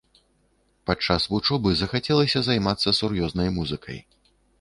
Падчас вучобы захацелася займацца сур'ёзнай музыкай.